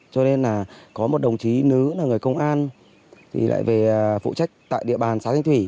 cho nên là có một đồng chí nữ là người công an thì lại về phụ trách tại địa bàn xã thanh thủy